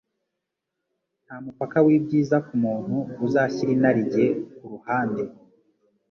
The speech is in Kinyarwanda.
Nta mupaka w'ibyiza ku muntu uzashyira inarijye ku ruhande